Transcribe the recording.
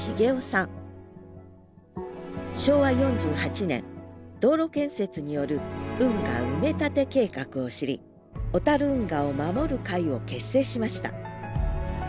昭和４８年道路建設による運河埋め立て計画を知り「小運河を守る会」を結成しました。